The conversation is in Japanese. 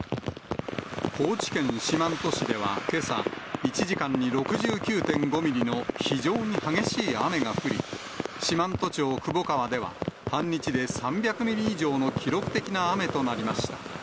高知県四万十市ではけさ、１時間に６９．５ミリの非常に激しい雨が降り、四万十町窪川では、半日で３００ミリ以上の記録的な雨となりました。